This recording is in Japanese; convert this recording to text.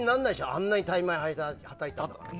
あんなに大枚、はたいたなら。